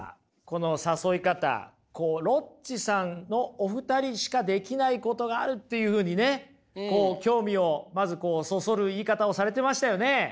この誘い方ロッチさんのお二人しかできないことがあるっていうふうにね興味をまずそそる言い方をされてましたよね。